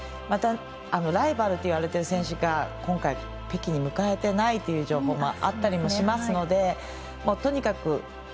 またライバルといわれている選手が今回、北京に迎えていない情報もあったりしますのでとにかく